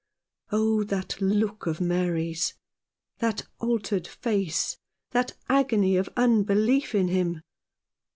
Oh, that look of Mary's, that altered face, that agony of unbelief in him